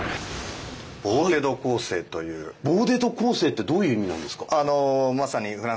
「ボーテ・ド・コーセー」ってどういう意味なんですか？